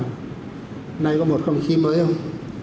hôm nay có một không khí mới không